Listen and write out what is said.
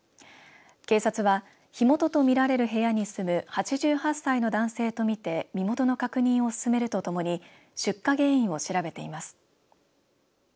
警察は火元と見られる部屋に住む８８歳の男性と見て身元の確認を進めるとともに出火原因を調べています。